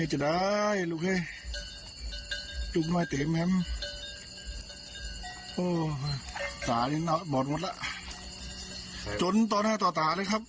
หน้านี้มันบอดหมดละจนต่อหน้าต่อตากับสินะครับ